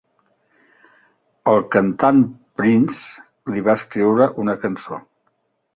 El cantant Prince li va escriure una cançó.